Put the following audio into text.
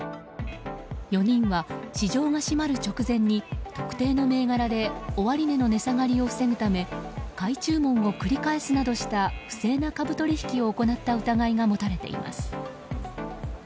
４人は市場が閉まる直前に特定の銘柄で終値の値下がりを防ぐため買い注文を繰り返すなどした不正な株取引を行った疑いが持たれています。